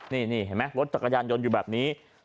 นี่นี่เห็นมั้ยรถจักรรยายหยนต์อยู่แบบนี้